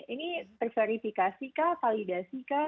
ini terserifikasikah validasikah